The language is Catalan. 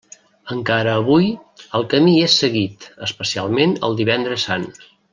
Encara avui, el camí és seguit, especialment el Divendres Sant.